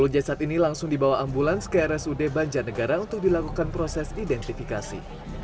sepuluh jasad ini langsung dibawa ambulans ke rsud banjarnegara untuk dilakukan proses identifikasi